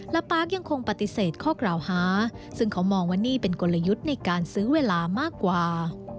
และปาร์คยังคงปฏิเสธข้อกล่าวหาซึ่งเขามองว่านี่เป็นกลยุทธ์ในการซื้อเวลามากกว่า